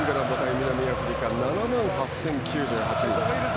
南アフリカは７万８０９８人。